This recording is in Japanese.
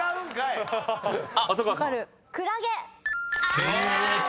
［正解！